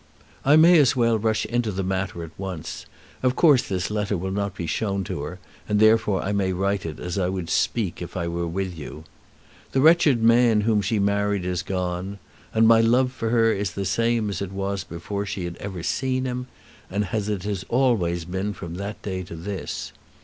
I may as well rush into the matter at once. Of course this letter will not be shown to her, and therefore I may write as I would speak if I were with you. The wretched man whom she married is gone, and my love for her is the same as it was before she had ever seen him, and as it has always been from that day to this.